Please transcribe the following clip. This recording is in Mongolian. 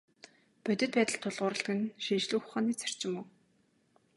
Бодит байдалд тулгуурладаг нь шинжлэх ухааны зарчим мөн.